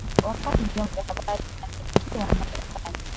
wakati vyombo vya habari vinamilikiwa na serikali